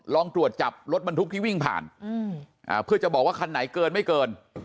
ลองตรวจจับรถบรรทุกที่วิ่งผ่านเพื่อจะบอกว่าคันไหนเกินไม่เกิน